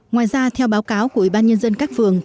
ngoài ra theo báo cáo của ủy ban nhân dân các phường